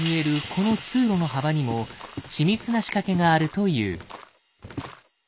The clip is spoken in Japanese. この通路の幅にも緻密な仕掛けがあるという。